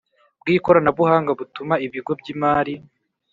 Bw ikoranabuhanga butuma ibigo by imari